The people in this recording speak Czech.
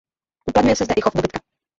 Uplatňuje se zde i chov dobytka.